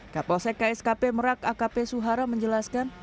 kapolsek kskp merak akp suhara menjelaskan